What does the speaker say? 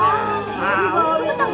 ayo kita mulai berjalan